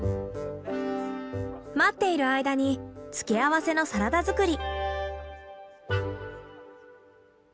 待っている間に付け合わせのサラダ作り。